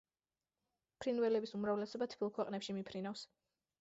ფრინველების უმრავლესობა თბილ ქვეყნებში მიფრინავს.